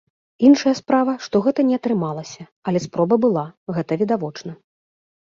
Іншая справа, што гэта не атрымалася, але спроба была, гэта відавочна.